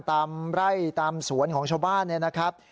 ตามไร่ตามสวนของชาวบ้านเนี่ยนะครับ